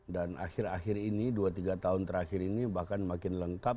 dan akhir akhir ini dua tiga tahun terakhir ini bahkan makin lengkap